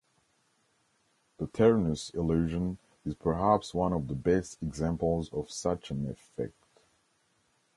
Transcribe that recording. The Ternus illusion is perhaps one of the best examples of such an effect.